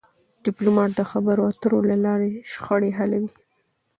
ډيپلومات د خبرو اترو له لارې شخړې حلوي..